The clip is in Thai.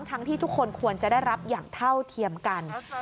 ที่ทุกคนควรจะได้รับอย่างเท่าเทียมกัน